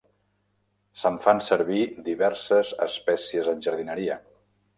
Se'n fan servir diverses espècies en jardineria.